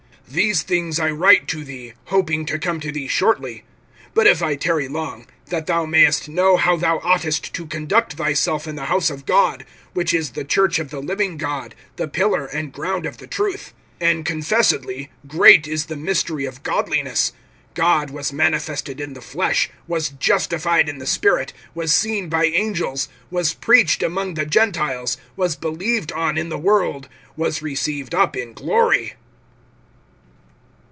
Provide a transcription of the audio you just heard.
(14)These things I write to thee, hoping to come to thee shortly; (15)but if I tarry long, that thou mayest know how thou oughtest to conduct thyself in the house of God, which is the church of the living God, the pillar and ground of the truth. (16)And confessedly, great is the mystery of godliness; God was manifested[3:16] in the flesh, was justified in the Spirit, was seen by angels, was preached among the Gentiles, was believed on in the world, was received up in glory.